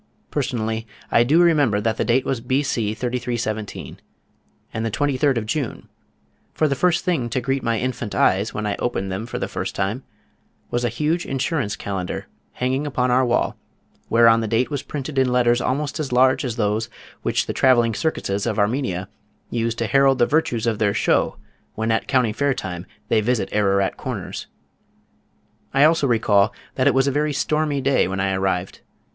Personally I do remember that the date was B. C. 3317, and the twenty third of June, for the first thing to greet my infant eyes, when I opened them for the first time, was a huge insurance calendar hanging upon our wall whereon the date was printed in letters almost as large as those which the travelling circuses of Armenia use to herald the virtues of their show when at County Fair time they visit Ararat Corners. I also recall that it was a very stormy day when I arrived.